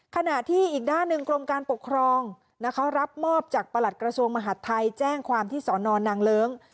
ขณะที่อีกด้านหนึ่งกรมการปกครองนะคะรับมอบจากประหลัดกระทรวงมหาดไทยแจ้งความที่สอนอนนางเลิ้ง